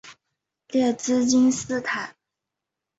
列兹金斯坦。